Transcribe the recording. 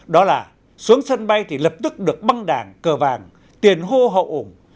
đó là xuống sân bay thì lập tức được băng đảng cờ vàng tiền hô hậu ổn